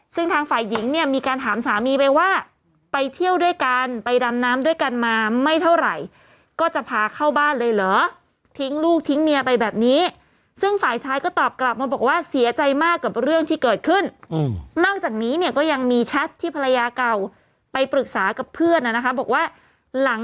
ซึ่งวันนี้เขาทำพิธีล้างอาหารต่อตี๕นะครับโดยให้เตรียมน้ำสาวข้าน้ำแรกหนึ่งทัน